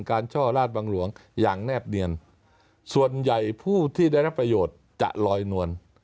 ช่อราชบังหลวงอย่างแนบเนียนส่วนใหญ่ผู้ที่ได้รับประโยชน์จะลอยนวล